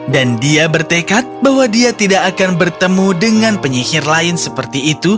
dan dia bertekad bahwa dia tidak akan bertemu dengan penyihir lain seperti itu